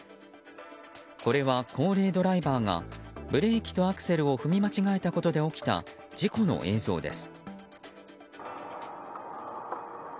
これは高齢ドライバーがブレーキとアクセルを踏み間違えたことで起きた事故の映像です。